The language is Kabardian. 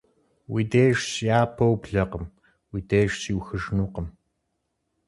Уи деж щыяпэ ублэкъым, уи деж щиухыжынукъым.